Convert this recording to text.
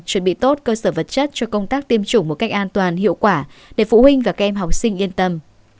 chuẩn bị tốt cơ sở vật chất cho công tác tiêm chủng một cách an toàn hiệu quả để phụ huynh và các em học sinh yên tâm